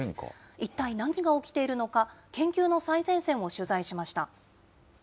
一体何が起きているのか、研究の最前線を取材しました。